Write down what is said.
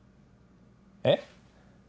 えっ？